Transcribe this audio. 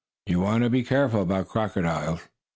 You want to be careful about crocodiles."